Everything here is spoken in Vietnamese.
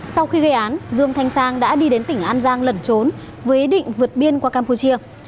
sau khi gây án dương thanh sang đã đi đến tỉnh an giang lẩn trốn với ý định vượt biên qua campuchia